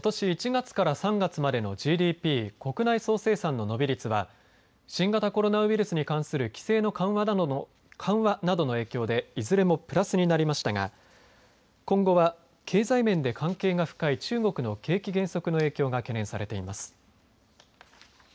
１月から３月までのＧＤＰ国内総生産の伸び率は新型コロナウイルスに関する規制の緩和などの影響でいずれもプラスになりましたが今後は経済面で関係が深い中国の景気減速の影響が懸念されています。